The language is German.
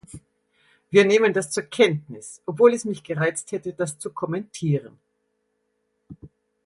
Wir nehmen das zur Kenntnis, obwohl es mich gereizt hätte, das zu kommentieren.